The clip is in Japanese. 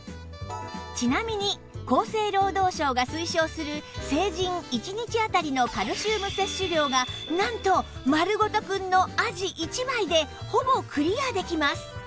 ちなみに厚生労働省が推奨する成人一日当たりのカルシウム摂取量がなんとまるごとくんのあじ１枚でほぼクリアできます